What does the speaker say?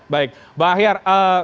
baik bang ahyar